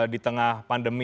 di tengah pandemi